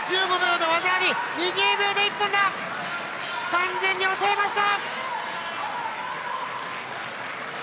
完全に抑えました。